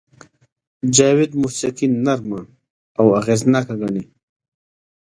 جاوید موسیقي نرمه او اغېزناکه ګڼي